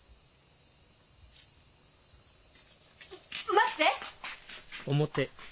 待って！